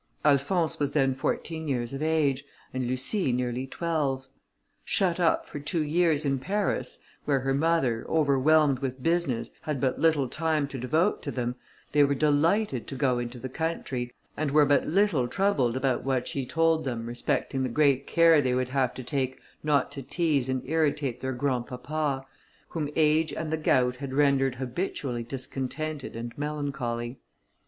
Alphonse was then fourteen years of age, and Lucie nearly twelve: shut up for two years in Paris, where her mother, overwhelmed with business, had but little time to devote to them, they were delighted to go into the country, and were but little troubled about what she told them, respecting the great care they would have to take not to teaze and irritate their grandpapa, whom age and the gout had rendered habitually discontented and melancholy.